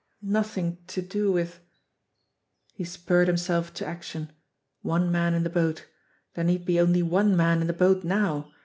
Nothing to do with He spurred himself to action. One man in the boat There need be only one man in the boat now!